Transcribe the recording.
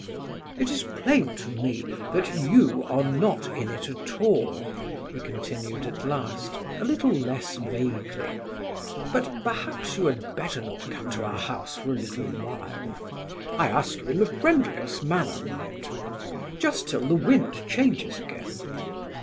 "It is plain to me, that you are not in it at all," he continued, at last, a little less vaguely, "but perhaps you had better not come to our house for a little while. I ask you in the friendliest manner, mind; just till the wind changes again.